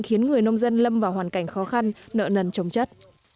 khiến người nông dân lâm vào hoàn cảnh khó khăn nợ nần trồng chất